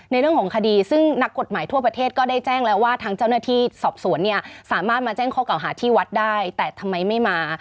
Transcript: เรื่องของคดีซึ่งนักกฎหมายทั่วประเทศก็ได้แจ้งแล้วว่าทางเจ้าหน้าที่สอบสวนเนี่ยสามารถมาแจ้งข้อเก่าหาที่วัดได้แต่ทำไมไม่มา